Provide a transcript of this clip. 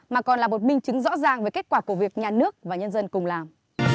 mà còn là một minh chứng rõ ràng về kết quả của việc nhà nước và nhân dân cùng làm